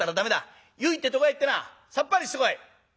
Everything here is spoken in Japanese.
湯行って床屋行ってなさっぱりしてこい。